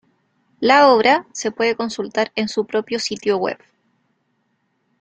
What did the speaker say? La obra se puede consultar en su propio sitio web.